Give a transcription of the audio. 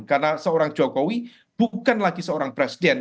karena seorang jokowi bukan lagi seorang presiden